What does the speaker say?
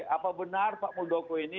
apa benar pak muldoko ini